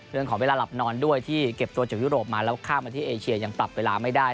เรื่องของเวลาหลับนอนด้วยที่เก็บตัวจากยุโรปมาแล้วข้ามมาที่เอเชียยังปรับเวลาไม่ได้